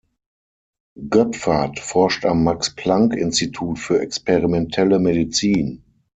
Göpfert forscht am Max-Planck-Institut für experimentelle Medizin.